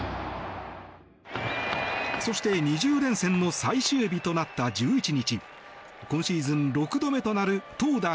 そして、２０連戦の最終日となった１１日今シーズン６度目となる投打